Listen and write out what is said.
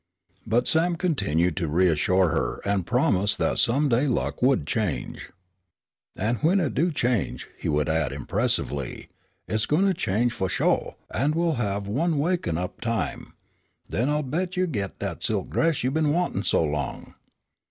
But Sam continued to reassure her and promise that some day luck would change. "An' when hit do change," he would add, impressively, "it's gwine change fu' sho', an' we'll have one wakenin' up time. Den I bet you'll git dat silk dress you been wantin' so long."